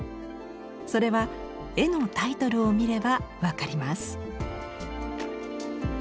それは絵のタイトルを見れば分かります。